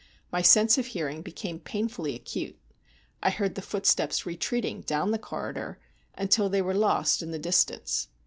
My sense of hearing became painfully acute. I heard the footsteps retreating down the corridor, until they were lost in the distance.